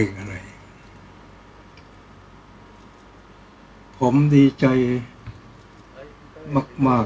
ก็ต้องทำอย่างที่บอกว่าช่องคุณวิชากำลังทำอยู่นั่นนะครับ